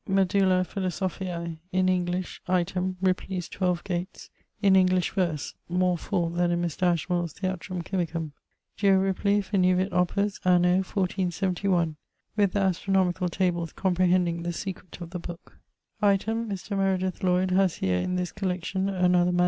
Medulla Philosophiae, in English; item, Ripley's XII Gates, in English verse (more full then in Mr. Ashmole's Theatrum Chymicum) 'Geo. Ripley finivit opus, anno 1471' with the astronomicall tables comprehending the secret of the booke. Item, Mr. Meredith Lloyd haz here in this collection another MSS.